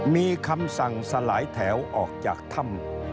มีคำสั่งสลายแถวออกจากถ้ำ